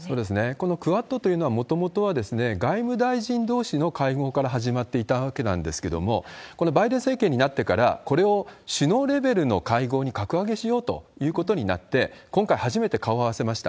このクアッドというのは、もともとは外務大臣どうしの会合から始まっていたわけなんですけれども、このバイデン政権になってから、これを首脳レベルの会合に格上げしようということになって、今回、初めて顔合わせました。